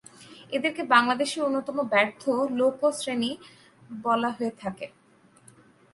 এদেরকে বাংলাদেশের অন্যতম ব্যর্থ লোকো শ্রেণী বলা হয়ে থাকে।